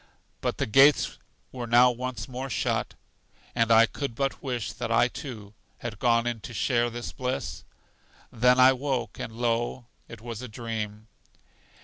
But the gates were now once more shut, and I could but wish that I, too, had gone in to share this bliss. Then I woke, and, lo, it was a dream.